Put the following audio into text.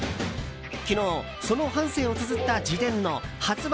昨日、その半生をつづった自伝の発売